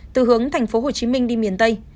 từ hướng tp hcm đi miền tây